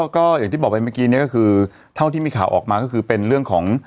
ก็อย่างที่บอกไปเมื่อกี้นี้ก็คือเท่าที่มีข่าวออกมาก็คือเป็นเรื่องของ